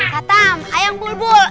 katam ayam bulbul